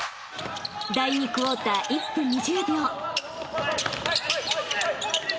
［第２クオーター１分２０秒］